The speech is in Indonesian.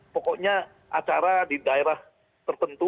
pokoknya acara di daerah tertentu